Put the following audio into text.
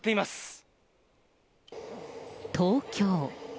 東京。